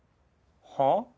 はあ？